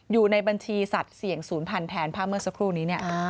อยู่ในบัญชีสัตว์เสี่ยงศูนย์พันธุ์แทนภาพเมื่อสักครู่นี้